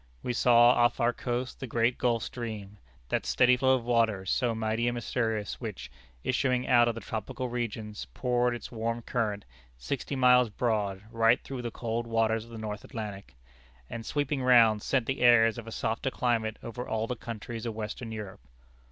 We saw off our coast the great Gulf Stream that steady flow of waters, so mighty and mysterious, which, issuing out of the tropical regions, poured its warm current, sixty miles broad, right through the cold waters of the North Atlantic; and sweeping round, sent the airs of a softer climate over all the countries of Western Europe.